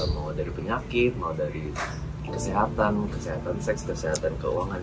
mau dari penyakit mau dari kesehatan kesehatan seks kesehatan keuangan